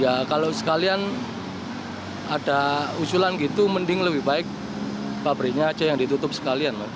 ya kalau sekalian ada usulan gitu mending lebih baik pabriknya aja yang ditutup sekalian